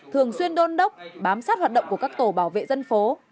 thường xuyên đôn đốc bám sát hoạt động của các tổ bảo vệ dân phố